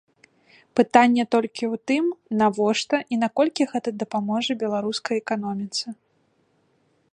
Пытанне толькі ў тым, навошта і наколькі гэта дапаможа беларускай эканоміцы.